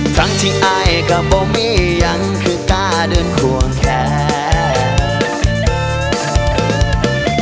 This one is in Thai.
ทั้งที่ไอกับโบ้มียังคือกล้าเดือนควงแคป